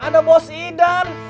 ada bos idan